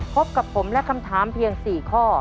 พบกับผมและคำถามเพียง๔ข้อ